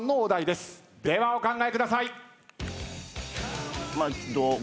ではお考えください。